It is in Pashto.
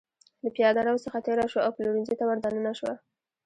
له پېاده رو څخه تېره شوه او پلورنځي ته ور دننه شوه.